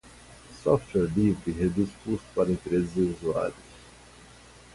Software livre reduz custos para empresas e usuários.